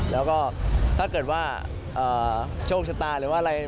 แล้วก็ถ้าเกิดว่าโชคชะตาหรือว่าอะไร